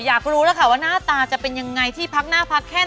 อยากรู้แล้วค่ะว่าหน้าตาจะเป็นยังไงที่พักหน้าพักแค่ไหน